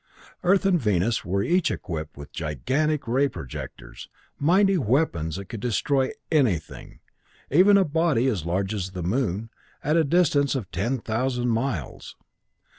Earth and Venus were each equipped with gigantic ray projectors, mighty weapons that could destroy anything, even a body as large as the Moon, at a distance of ten thousand miles.